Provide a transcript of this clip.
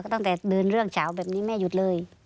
ตั้งแต่เดินเรื่องเฉาแบบนี้แม่หยุดเลย